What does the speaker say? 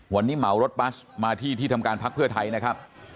วันนี้เหมารถบัสมาที่ที่ทำการพักเพื่อไทยนะครับ